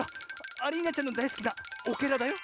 アリーナちゃんのだいすきなオケラだよ。